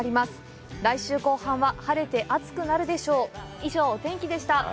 以上、お天気でした。